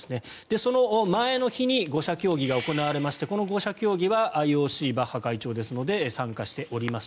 その前の日に５者協議が行われまして、この５者協議はＩＯＣ、バッハ会長ですので参加しております。